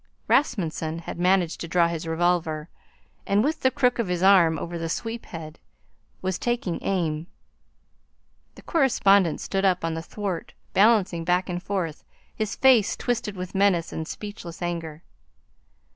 Rasmunsen had managed to draw his revolver, and with the crook of his arm over the sweep head, was taking aim. The correspondent stood up on the thwart, balancing back and forth, his face twisted with menace and speechless anger.